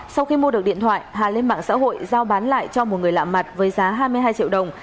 sau khi mua được điện thoại hà lên mạng xã hội giao bán lại cho một người lạ mặt với giá hai mươi hai triệu đồng